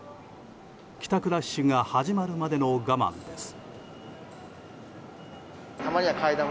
帰宅ラッシュが始まるまでの我慢です。